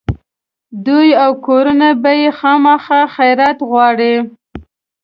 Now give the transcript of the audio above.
دوی او کورنۍ به یې خامخا خیرات غواړي.